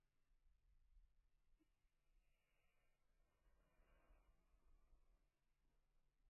He served as health commissioner for Indiana and New York City.